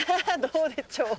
どうでちょう。